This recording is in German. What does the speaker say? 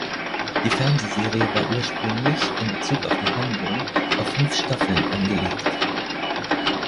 Die Fernsehserie war ursprünglich, in Bezug auf die Handlung, auf fünf Staffeln angelegt.